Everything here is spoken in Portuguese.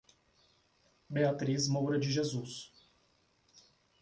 Beatriz Moura de Jesus